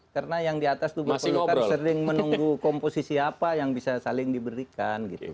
karena yang di atas tubuh golkar sering menunggu komposisi apa yang bisa saling diberikan